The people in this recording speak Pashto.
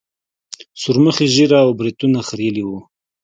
سورمخي ږيره او برېتونه خرييلي وو.